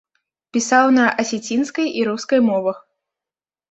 Пісаў на асецінскай і рускай мовах.